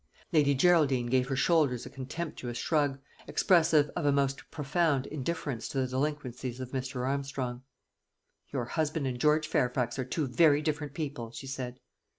Lady Geraldine gave her shoulders a contemptuous shrug, expressive of a most profound indifference to the delinquencies of Mr. Armstrong. "Your husband and George Fairfax are two very different people," she said.